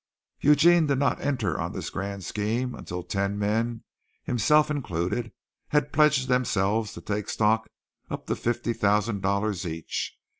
Eugene did not enter on this grand scheme until ten men, himself included, had pledged themselves to take stock up to $50,000 each.